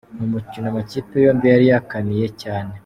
Ni umukino amakipe yombi yari yakaniye cyane .